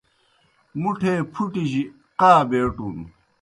مُٹھے پُھٹیْ جیْ قاء بیٹُن۔